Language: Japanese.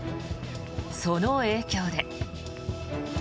その影響で。